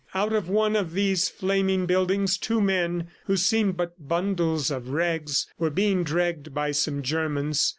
Out of one of these flaming buildings two men, who seemed but bundles of rags, were being dragged by some Germans.